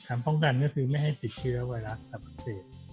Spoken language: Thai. ป้องกันก็คือไม่ให้ติดเชื้อไวรัสกับอักเสบ